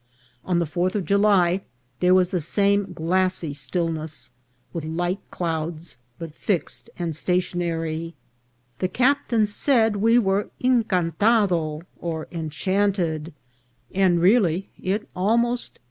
On the Fourth of July there was the same glassy stillness, with light clouds, but fixed and stationary. The captain said we were incantado or enchanted, and really it almost seem 462 INCIDENTS OF TRAVEL.